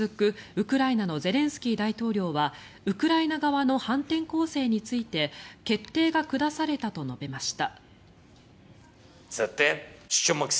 ウクライナのゼレンスキー大統領はウクライナ側の反転攻勢について決定が下されたと述べました。